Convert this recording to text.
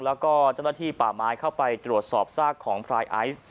แล้วก็เจ้าหน้าที่ป่าไม้เข้าไปตรวจสอบซากของพลายไอซ์